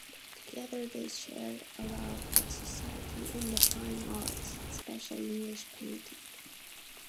Together they shared a love of society and the fine arts, especially English painting.